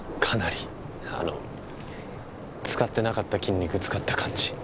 かなりあの使ってなかった筋肉使った感じ？